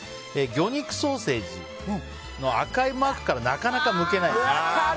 魚肉ソーセージの赤いマークからなかなかむけない。